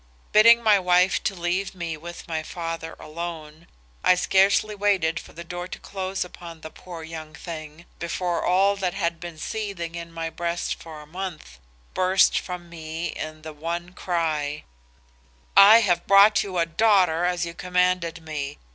"Bidding my wife to leave me with my father alone, I scarcely waited for the door to close upon the poor young thing before all that had been seething in my breast for a month, burst from me in the one cry, "'I have brought you a daughter as you commanded me.